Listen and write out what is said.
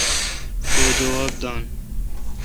کو جواب داین۔